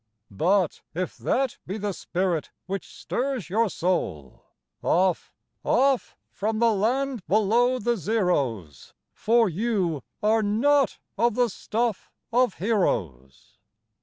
But if that be the spirit which stirs your soul, Off, off from the land below the zeroes; For you are not of the stuff of heroes.